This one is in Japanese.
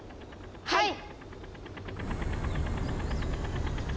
はい！